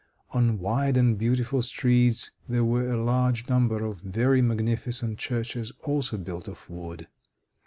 On wide and beautiful streets there were a large number of very magnificent churches also built of wood.